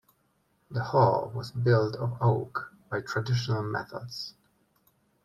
The hull was built of oak by traditional methods.